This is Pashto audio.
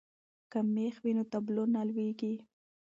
که مېخ وي نو تابلو نه لویږي.